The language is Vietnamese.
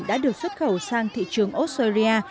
đã được xuất khẩu sang thị trường osoria